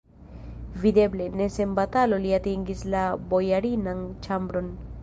Videble, ne sen batalo li atingis la bojarinan ĉambron.